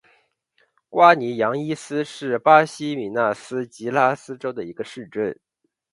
瓜尼扬伊斯是巴西米纳斯吉拉斯州的一个市镇。